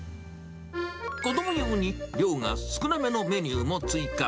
子ども用に量が少なめのメニューも追加。